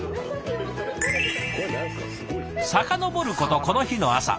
遡ることこの日の朝。